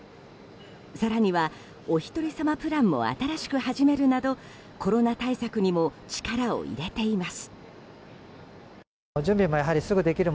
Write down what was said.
更には、おひとり様プランも新しく始めるなどコロナ対策にも力を入れています。